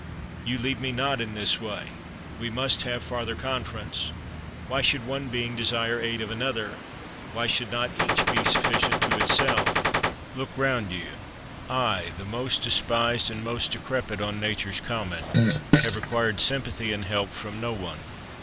you leave me not in this way; we must have farther conference. Why should one being desire aid of another? Why should not each be sufficient to itself? Look round you I, the most despised and most decrepit on Nature's common, have required sympathy and help from no one.